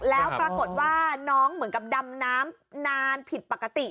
แล้วปรากฏว่าน้องเหมือนกับดำน้ำนานผิดปกติ